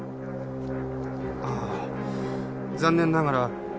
ああ残念ながら。